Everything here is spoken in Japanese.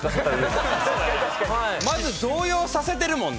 まず動揺させてるもんね。